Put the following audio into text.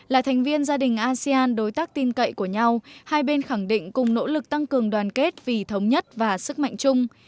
là thành viên gia đình asean đối tác tin cậy của nhau hai bên khẳng định cùng nỗ lực tăng cường đoàn kết vì thống nhất và sức mạnh chung